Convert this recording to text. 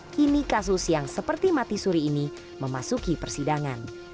kini kasus yang seperti mati suri ini memasuki persidangan